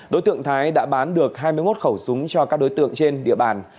đối tượng thái đã bán được hai mươi một khẩu súng cho các đối tượng trên địa bàn